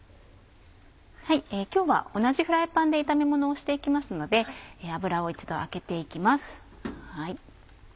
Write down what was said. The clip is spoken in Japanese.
今日は同じフライパンで炒め物をしていきますので油を一度あけていきます。